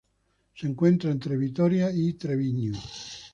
Se encuentra entre Vitoria y Treviño.